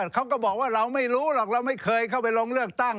เขาก็บอกว่าเราไม่รู้หรอกเราไม่เคยเข้าไปลงเลือกตั้ง